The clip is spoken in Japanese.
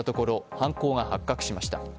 犯行が発覚しました。